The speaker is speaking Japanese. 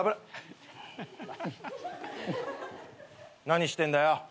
何してんだよ。